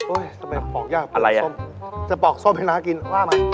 โอ๊ยทำไมปอกยากปอกส้มจะปอกส้มให้น้ากินว่าไหม